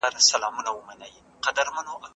د ورزش ګټور ډولونه شامل دي: بایسکل، قدم وهل، نڅا.